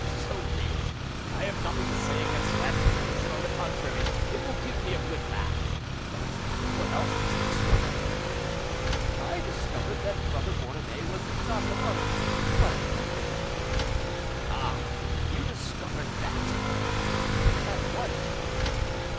"So be it; I have nothing to say against that promotion; on the contrary, it will give me a good laugh. But what else did you discover?" "I discovered that Brother Borromée was not a monk but a captain." "Ah! you discovered that?" "At once."